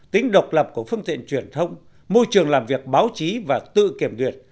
tính độc lập của phương tiện truyền thông môi trường làm việc báo chí và tự kiểm duyệt